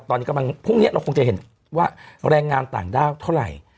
ตอนนี้กำลังพรุ่งนี้เราคงจะเห็นว่าแรงงานต่างด้าวเท่าไหร่